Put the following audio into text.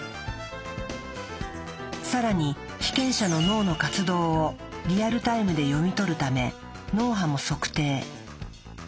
更に被験者の脳の活動をリアルタイムで読み取るため脳波も測定。